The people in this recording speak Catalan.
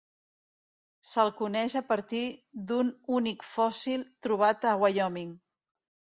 Se'l coneix a partir d'un únic fòssil trobat a Wyoming.